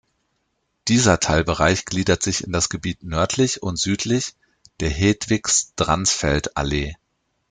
Dieser Teilbereich gliedert sich in das Gebiet nördlich und südlich der Hedwigs-Dransfeld-Allee.